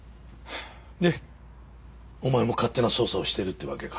でお前も勝手な捜査をしてるってわけか。